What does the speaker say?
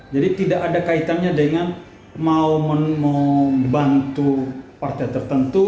jadi tidak ada kaitannya dengan mau membantu partai tertentu